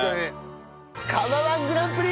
釜−１グランプリ！